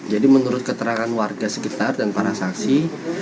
jadi menurut keterangan warga sekitar dan para saksi